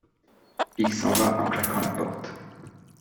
Il s’en va en claquant la porte.